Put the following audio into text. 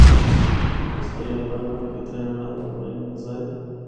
دوست یاراں نال اِتھا اینڑا دا اپنڑا ای مزہ اے۔